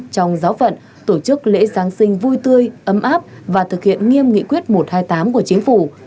trong giáo phận tổ chức lễ giáng sinh vui tươi ấm áp và thực hiện nghiêm nghị quyết một trăm hai mươi tám của chính phủ